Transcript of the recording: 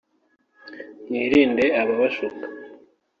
mwirinde ababashuka